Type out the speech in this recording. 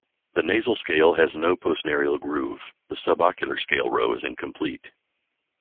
The nasal scale has no postnarial groove; the subocular scale row is incomplete.